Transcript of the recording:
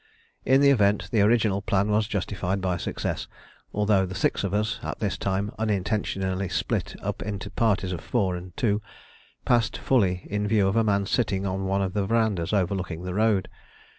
In the event, the original plan was justified by success, although the six of us, at this time unintentionally split up into parties of four and two, passed fully in view of a man sitting on one of the verandahs overlooking the road.